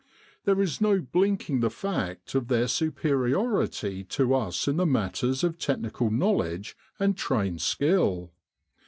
There is no blinking the fact of their superiority to us in the matters of technical knowledge and trained skill.